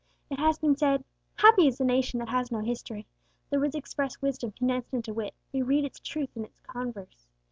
It has been said, "Happy is the nation that has no history;" the words express wisdom condensed into wit; we read its truth in its converse.